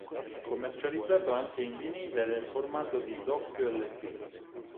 Commercializzato anche in vinile nel formato di doppio Lp.